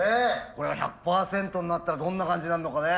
これが１００％になったらどんな感じになんのかね。